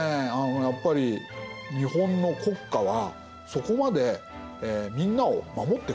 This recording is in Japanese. やっぱり日本の国家はそこまでみんなを守ってくれない。